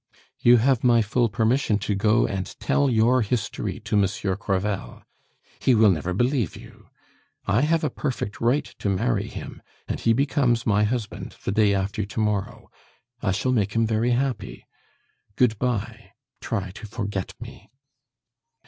"You have my full permission to go and tell your history to Monsieur Crevel; he will never believe you. I have a perfect right to marry him, and he becomes my husband the day after to morrow. I shall make him very happy. Good bye; try to forget me."